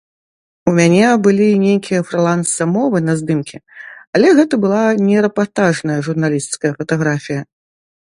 У мяне былі нейкія фрыланс-замовы на здымкі, але гэта была не рэпартажная журналісцкая фатаграфія.